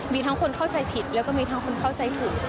มีทั้งคนเข้าใจผิดแล้วก็มีทั้งคนเข้าใจถูก